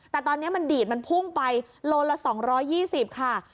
แต่ตอนนี้มันดีดมันพุ่งไปโลละ๒๒๐ค่ะ